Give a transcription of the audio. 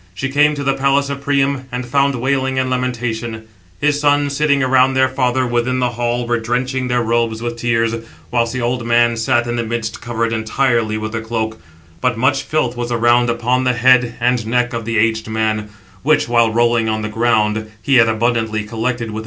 She came to [the palace] of Priam, and found wailing and lamentation. His sons, sitting around their father within the hall, were drenching their robes with tears; whilst the old man sat in the midst, covered entirely 780 with a cloak; but much filth was around upon the head and neck of the aged man, which, while rolling [on the ground], he had abundantly collected 781 with his own hands.